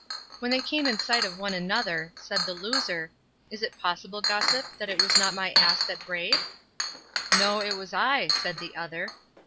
When they came in sight of one another, said the loser, 'Is it possible, gossip, that it was not my ass that brayed?' 'No, it was I,' said the other.